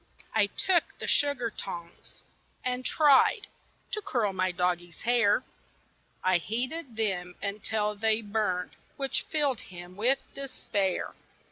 I TOOK the sugar tongs, and tried To curl my doggie's hair; I heated them until they burned, Which filled him with despair.